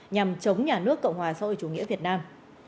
nhằm chống nhà nước cộng hòa xã hội chủ nghĩa việt nam